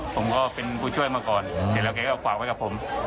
ผมก็เป็นผู้ช่วยมาก่อนเสร็จแล้วแกก็ฝากไว้กับผม